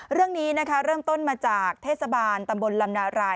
เรื่องนี้นะคะเริ่มต้นมาจากเทศบาลตำบลลำนาราย